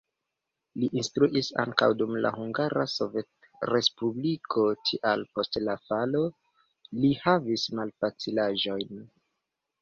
Li instruis ankaŭ dum la Hungara Sovetrespubliko, tial post la falo li havis malfacilaĵojn.